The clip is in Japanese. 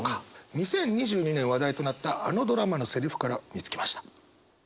２０２２年話題となったあのドラマのセリフから見つけました。